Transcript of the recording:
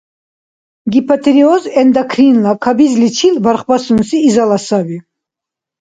Гипотиреоз – эндокринла кабизличил бархбасунси изала саби.